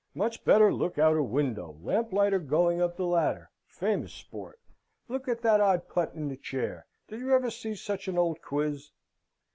"Much better look out a window. Lamplighter going up the ladder famous sport. Look at that old putt in the chair: did you ever see such an old quiz?"